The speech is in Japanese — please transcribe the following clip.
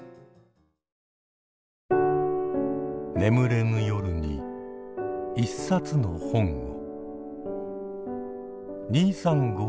眠れぬ夜に一冊の本を。